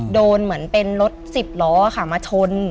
โดนเหมือนเป็นรถสิบล้อค่ะมาชน